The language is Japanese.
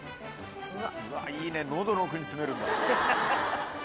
うわいいね喉の奥に詰めるんだ。